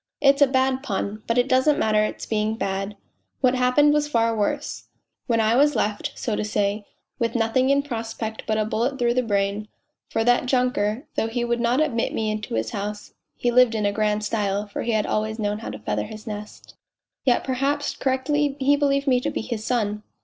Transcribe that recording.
It's a bad pun, but it doesn't matter it's being bad what happened was far worse, when I was left, so to say, with nothing in prospect but a bullet through the brain, for that junker, though he would not admit me into his house (he lived in grand style, for he had always known how to feather his nest), yet perhaps correctly he believed me to bo his son."